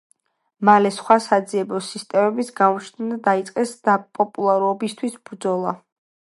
მალე სხვა საძიებო სისტემებიც გამოჩნდნენ და დაიწყეს პოპულარობისთვის ბრძოლა.